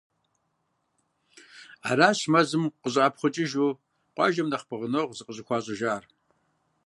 Аращ мэзым къыщӏэӏэпхъукӏыжу къуажэм нэхъ пэгъунэгъу зыкъыщӏыхуащӏыжар.